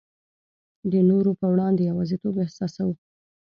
د نورو په وړاندي یوازیتوب احساسوو.